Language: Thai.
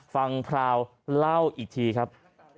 พราวเล่าอีกทีครับ